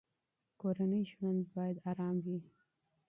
کورنی ژوند باید ارام وي.